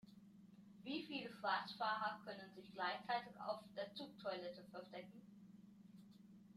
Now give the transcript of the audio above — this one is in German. Wie viele Schwarzfahrer können sich gleichzeitig auf der Zugtoilette verstecken?